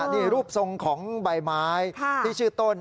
นี่รูปทรงของใบไม้ที่ชื่อต้น